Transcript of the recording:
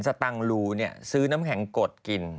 ฉันใช้ซื้อน้ำแข็งโกด